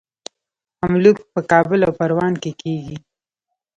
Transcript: املوک په کابل او پروان کې کیږي.